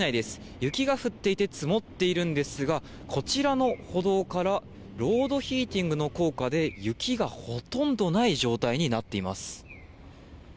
雪が降っていて積もっているんですがこちらの歩道からロードヒーティングの効果で雪がほとんどない状態になっています。